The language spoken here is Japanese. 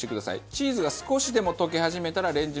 チーズが少しでも溶け始めたらレンジの止め時です。